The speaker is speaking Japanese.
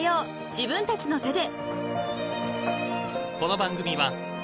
自分たちの手で］